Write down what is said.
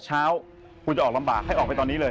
เช้าคุณจะออกลำบากให้ออกไปตอนนี้เลย